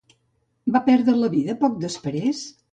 Va perdre la vida poc després?